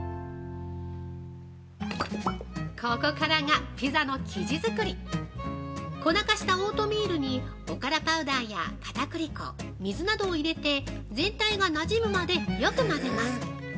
◆ここからがピザの生地作り粉化したオートミールにおからパウダーや片栗粉、水などを入れて、全体がなじむまでよく混ぜます。